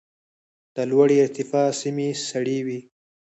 د لوړې ارتفاع سیمې سړې وي.